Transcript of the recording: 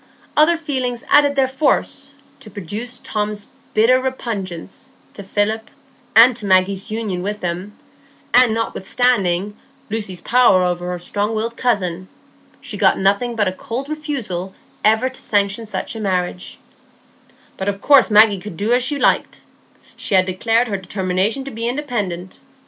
Other feelings added their force to produce Tom's bitter repugnance to Philip, and to Maggie's union with him; and notwithstanding Lucy's power over her strong willed cousin, she got nothing but a cold refusal ever to sanction such a marriage; "but of course Maggie could do as she liked,—she had declared her determination to be independent.